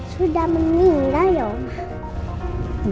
sudah meninggal ya mama